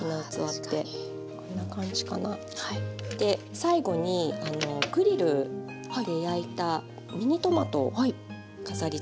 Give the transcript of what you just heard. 最後にグリルで焼いたミニトマトを飾りつけします。